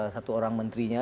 satu orang menterinya